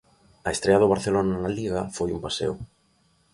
A estrea do Barcelona na Liga foi un paseo.